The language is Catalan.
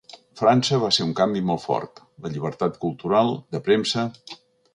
França va ser un canvi molt fort: la llibertat cultural, de premsa…